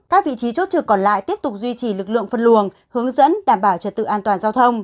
các vị trí chốt trực còn lại tiếp tục duy trì lực lượng phân luồng hướng dẫn đảm bảo trật tự an toàn giao thông